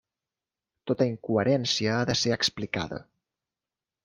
Tota incoherència ha de ser explicada.